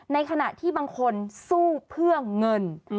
ในขณะที่บางคนสู้เพื่อเงิน